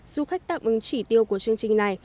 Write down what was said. du khách tạm ứng chỉ tiêu của chương trình này